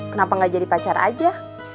kenapa gak jadi pacar aja